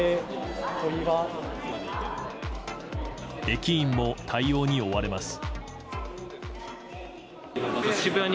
駅員も対応に追われます。